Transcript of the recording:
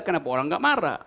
kenapa orang gak marah